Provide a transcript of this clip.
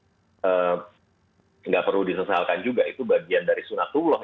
tidak perlu disesalkan juga itu bagian dari sunatullah